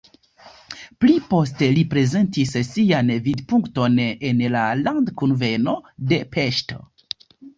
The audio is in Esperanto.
Pli poste li prezentis sian vidpunkton en la landkunveno de Peŝto.